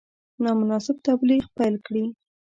نامناسب تبلیغ پیل کړي.